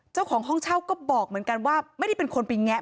เจ้าของห้องเช่าก็บอกเหมือนกันว่าไม่ได้เป็นคนไปแงะ